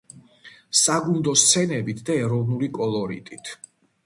საგუნდო სცენებით და ეროვნული კოლორიტით.